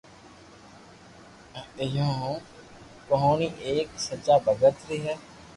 اھيو ھون او ڪہوني ايڪ سچا ڀگت ري ھي